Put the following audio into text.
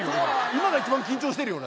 今が一番緊張してるよ。